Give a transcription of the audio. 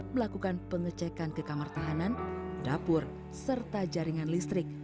melakukan pengecekan ke kamar tahanan dapur serta jaringan listrik